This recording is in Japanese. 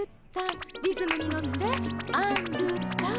リズムに乗ってアンドゥターン。